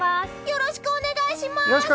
よろしくお願いします！